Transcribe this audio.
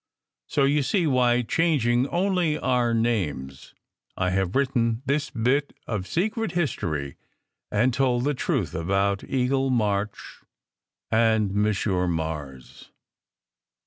So you see why, changing only our names, I have written this bit of secret history and told the truth about Eagle March and Monsieur Mars.